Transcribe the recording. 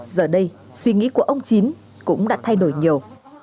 giờ đây suy nghĩ của ông chín cũng đã thay đổi nhiều